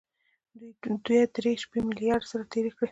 دوه درې شپې مې له ياره سره تېرې کړې.